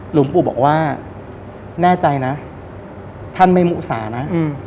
หลวงปู่บอกว่าแน่ใจนะท่านไม่มุสานะ